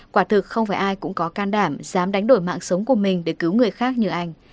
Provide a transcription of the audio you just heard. quả thực không phải ai cũng có can đảm dám đánh đổi mạng sống của mình để cứu người khác như anh